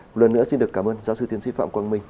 một lần nữa xin được cảm ơn giáo sư tiến sĩ phạm quang minh